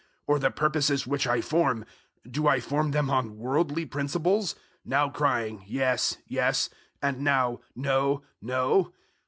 Or the purposes which I form do I form them on worldly principles, now crying "Yes, yes," and now "No, no"?